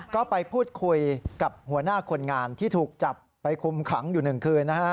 ก็ไปพูดคุยกับหัวหน้าคนงานที่ถูกจับไปคุมขังอยู่๑คืนนะฮะ